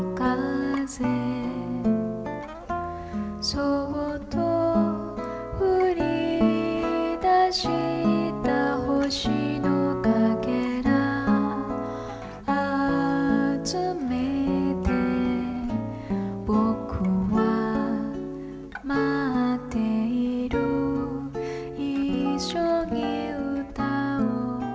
そっと降りだした星のかけらあつめてぼくは待っている一緒に歌おう